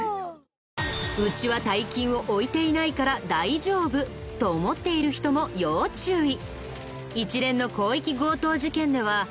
「うちは大金を置いていないから大丈夫」と思っている人も要注意。